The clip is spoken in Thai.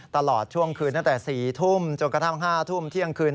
ตลอดช่วงคืนตั้งแต่๔ทุ่มจนกระทั่ง๕ทุ่มเที่ยงคืน